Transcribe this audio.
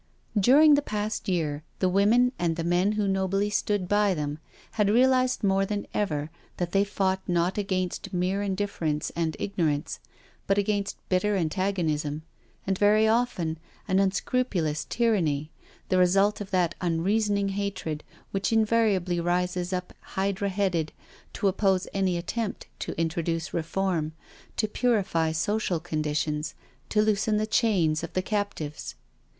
During the past year the women, and the men who nobly stood by them, had realised more than ever that they fought not against mere indifference and igno rance, but against bitter antagonism, and, very often, an unscrupulous tyranny, the result of that unreasoning hatred which invariably rises up hydra headed to op pose any attempt to introduce reform, to purify social conditions, to loosen the chains of the captives.